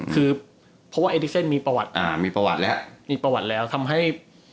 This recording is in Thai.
เพราะว่าเอลิกเซ็นต์มีประวัติแล้วทำให้